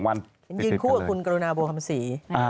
ยืนคู่กับคุณกรุณาโบะฮัมศรี